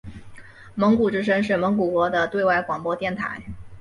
蒙古之声是蒙古国的对外广播电台。